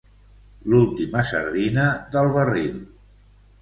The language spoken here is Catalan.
L'última sardina del barril.